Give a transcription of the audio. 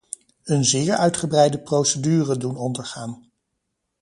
Een zeer uitgebreide procedure doen ondergaan.